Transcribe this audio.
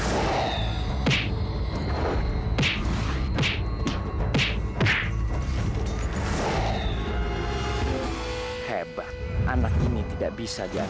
sampai jumpa di video selanjutnya